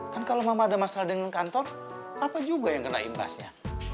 kan kalau mama ada masalah dengan kantor apa juga yang kena imbasnya